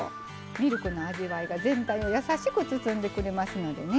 ミルクの味わいが全体を優しく包んでくれますんでね。